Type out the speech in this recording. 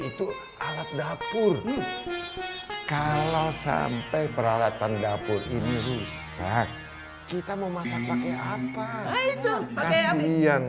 itu alat dapur kalau sampai peralatan dapur ini rusak kita mau masak pakai apa kasian